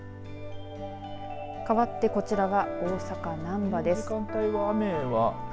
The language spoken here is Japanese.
かわってこちらは大阪、なんばです。